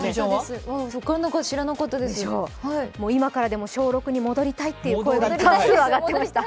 今からでも小６に戻りたいという声が多数上がっていました。